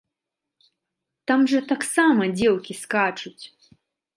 Там жа таксама дзеўкі скачуць!